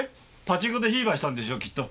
パチンコでフィーバーしたんでしょきっと。